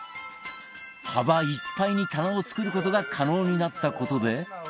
幅いっぱいに棚を作る事が可能になった事で